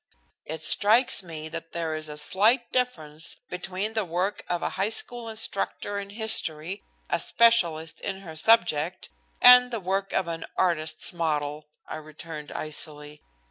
"It strikes me that there is a slight difference between the work of a high school instructor in history, a specialist in her subject, and the work of an artist's model," I returned icily.